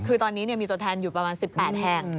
คือตอนนี้มีตัวแทนอยู่ประมาณ๑๘แห่ง